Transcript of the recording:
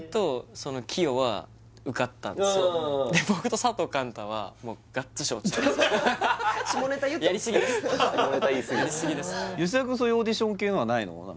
そういうオーディション系のはないの？